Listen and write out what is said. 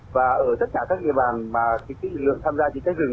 và ở tất cả các địa bàn mà kinh tích lực lượng tham gia chữa cháy rừng